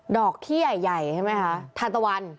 ขี้ใหญ่ใช่ไหมคะทานตะวัน